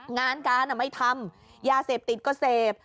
งานการไม่ทำยาเสพติดก็เสพ